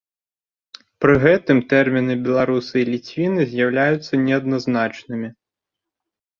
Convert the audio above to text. Пры гэтым тэрміны беларусы і ліцвіны з'яўляюцца неадназначнымі.